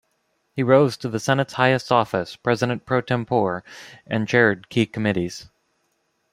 He rose to the Senate's highest office, President Pro Tempore, and chaired key committees.